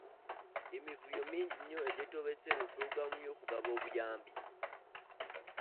Emivuyo mingi nnyo egyetobese mu pulogulaamu y’okugaba obuyambi.